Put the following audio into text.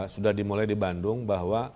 sudah dimulai di bandung bahwa